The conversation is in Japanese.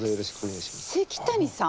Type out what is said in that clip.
関谷さん？